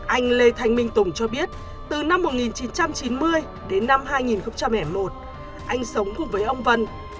anh lê thanh minh tùng cho biết từ năm một nghìn chín trăm chín mươi đến năm hai nghìn một anh sống cùng với ông vân